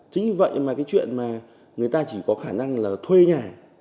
chính vì vậy mà cái chuyện người ta chỉ có khả năng thuê nhà